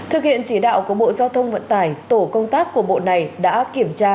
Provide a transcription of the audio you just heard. thực hiện chỉ đạo của bộ giao thông vận tải tổ công tác của bộ này đã kiểm tra